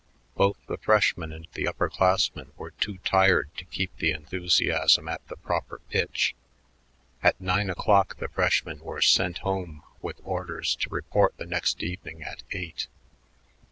Both the freshmen and the upper classmen were too tired to keep the enthusiasm at the proper pitch. At nine o'clock the freshmen were sent home with orders to report the next evening at eight.